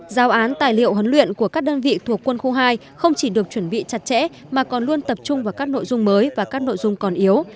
giao án tài liệu huấn luyện của các đơn vị thuộc quân khu hai không chỉ được chuẩn bị chặt chẽ mà còn luôn tập trung vào các nội dung mới và các nội dung còn yếu